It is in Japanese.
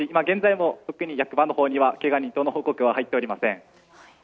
現在も特に役場のほうにはけが人等の報告は入っていません。